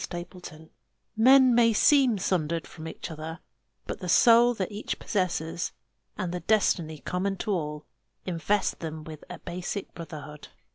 _ A CREED Men may seem sundered from each other; but the soul that each possesses, and the destiny common to all, invest them with a basic brotherhood.